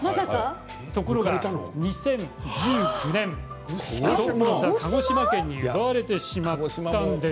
ところが２０１９年、鹿児島県に奪われてしまったんです。